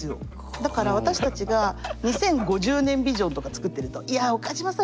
だから私たちが２０５０年ビジョンとか作ってるとスパッと言われます。